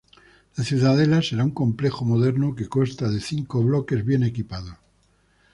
La ciudadela será un complejo moderno que consta de cinco bloques bien equipados.